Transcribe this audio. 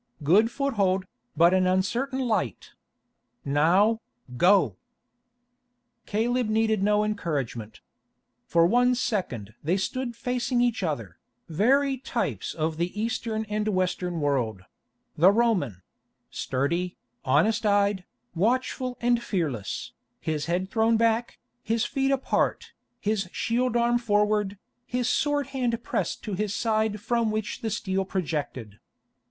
Good foothold, but an uncertain light. Now, go!" Caleb needed no encouragement. For one second they stood facing each other, very types of the Eastern and Western world; the Roman—sturdy, honest eyed, watchful and fearless, his head thrown back, his feet apart, his shield arm forward, his sword hand pressed to his side from which the steel projected.